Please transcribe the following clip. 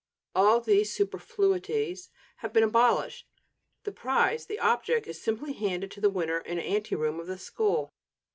All these superfluities have been abolished; the prize, the object, is simply handed to the winner in an ante room of the school.